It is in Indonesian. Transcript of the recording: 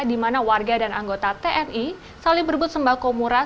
di mana warga dan anggota tni saling berbut sembah komuras